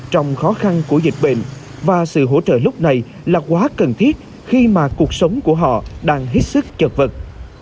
trong khó khăn của dịch bệnh và sự hỗ trợ lúc này là quá cần thiết khi mà cuộc sống của họ đang hết sức chật vật